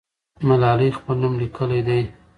ملالۍ خپل نوم لیکلی دی.